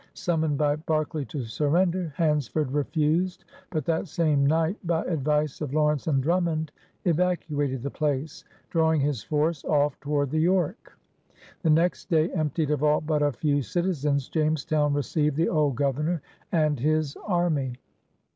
Summoned by Berkeley to surrender, Hans » ford refused, but that same night, by advice of Lawrence and Drummond, evacuated the place, drawing his force oflf toward the York. The next day, emptied of all but a few citizens, Jamestown received the old Governor and his army.